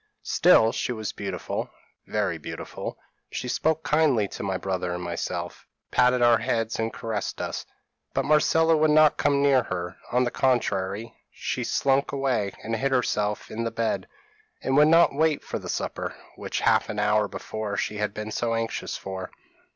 Still she was beautiful, very beautiful. She spoke kindly to my brother and myself, patted our heads and caressed us; but Marcella would not come near her; on the contrary, she slunk away, and hid herself in the bed, and would not wait for the supper, which half an hour before she had been so anxious for.